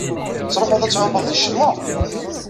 Tettruḥuḍ ad tɛummeḍ di ccetwa?